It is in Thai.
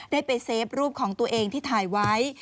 ได้ไปเซฟรูปของตัวเองที่ถ่ายไว้